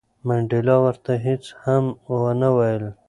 منډېلا ورته هیڅ هم ونه ویل.